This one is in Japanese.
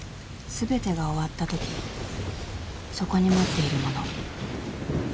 ［全てが終わったときそこに待っているもの］